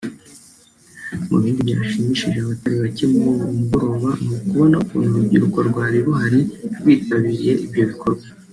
Mu bindi byashimishije abatari bacye muri uwo mugoroba ni ukubona ukuntu urubyiruko rwari ruhari rwitabiriye ibyo bikorwa